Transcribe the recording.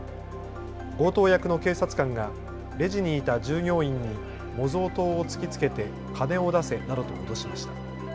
強盗役の警察官がレジにいた従業員に模造刀を突きつけて金を出せなどと脅しました。